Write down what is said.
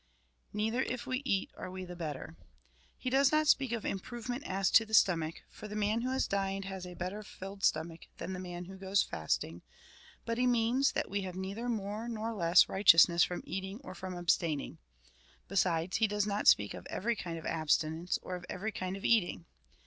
Neither if we eat, a^^e we the better. He does not speak of improvement as to the stomach ; for the man who has dined has a better filled stomach than the man who goes fasting ; but he means, that we have neither more nor less of righte ousness from eating or from abstaining. Besides, he does not speak of every kind of abstinence, or of every kind of eating.